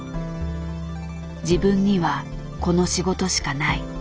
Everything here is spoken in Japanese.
「自分にはこの仕事しかない。